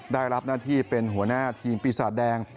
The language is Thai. ได้รับหน้าที่เป็นหัวหน้าทีมปีศาจแดง